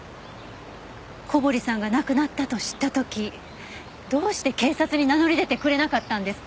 小堀さんが亡くなったと知った時どうして警察に名乗り出てくれなかったんですか？